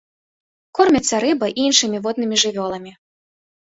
Кормяцца рыбай і іншымі воднымі жывёламі.